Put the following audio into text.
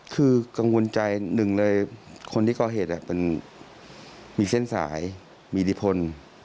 คือกังวลใจหนึ่งเลยคนที่ก็เห็นอ่ะเป็นมีเส้นสายมีดิพล